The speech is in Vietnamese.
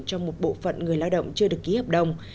cho một bộ phận người lao động chưa được ký hợp đồng